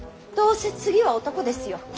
どうせ次は男ですよ。